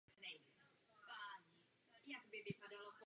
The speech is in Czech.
Poslední léta žil v Klášterní Skalici.